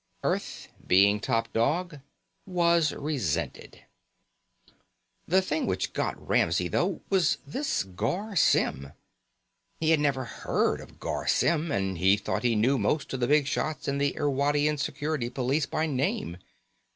Earth, being top dog, was resented. The thing which got Ramsey, though, was this Garr Symm. He had never heard of Garr Symm, and he thought he knew most of the big shots in the Irwadian Security Police by name.